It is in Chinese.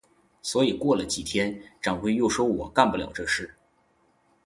所以过了几天，掌柜又说我干不了这事。